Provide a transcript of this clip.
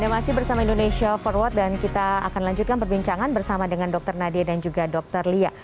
masih bersama indonesia forward dan kita akan lanjutkan perbincangan bersama dengan dr nadia dan juga dr lia